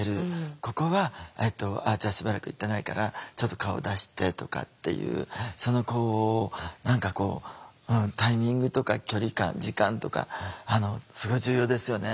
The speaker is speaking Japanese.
ここはじゃあしばらく行ってないからちょっと顔出してとかっていう何かこうタイミングとか距離感時間とかすごい重要ですよね。